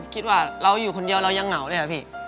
คิดว่าเราอยู่คนเดียวเรายังเหงาเลยค่ะพี่